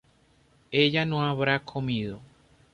ella no habrá comido